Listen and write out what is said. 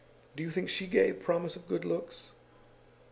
Do you think she gave promise of good looks?